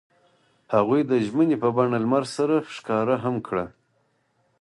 هغوی د ژمنې په بڼه لمر سره ښکاره هم کړه.